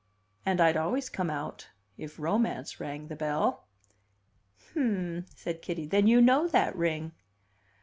"And I'd always come out if Romance rang the bell." "Hm!" said Kitty. "Then you know that ring?"